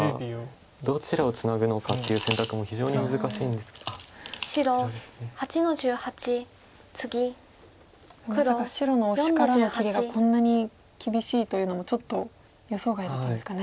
まさか白のオシからの切りがこんなに厳しいというのもちょっと予想外だったんですかね。